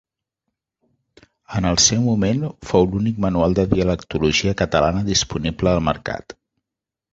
En el seu moment fou l'únic manual de dialectologia catalana disponible al mercat.